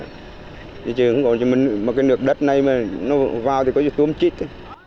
thì chứ không còn cho mình một cái nước đất này mà nó vào thì có gì tôi không chích